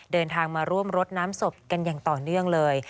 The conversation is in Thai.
เดินทางมาร่วมรดน้ำศพกันอย่างต่อเนื่องเลย